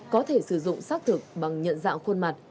có thể sử dụng xác thực bằng nhận dạng khuôn mặt